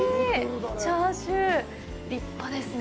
チャーシュー、立派ですね。